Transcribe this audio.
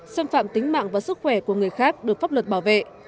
xâm phạm tính mạng và sức khỏe của người khác được pháp luật bảo vệ